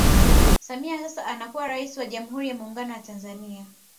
Samia sasa anakuwa Rais wa jamhuri ya Muungano wa Tanzania